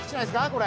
これ。